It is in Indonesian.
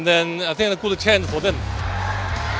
dan saya rasa ini adalah kesempatan yang bagus untuk mereka